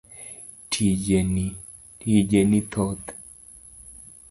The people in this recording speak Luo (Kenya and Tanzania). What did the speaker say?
Tije ni thoth.